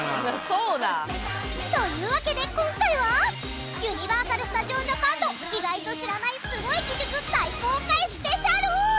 そうなん？というわけで今回はユニバーサル・スタジオ・ジャパンの意外と知らないスゴい技術大公開スペシャル！